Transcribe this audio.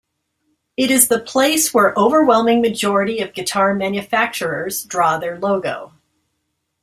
It is the place where overwhelming majority of guitar manufacturers draw their logo.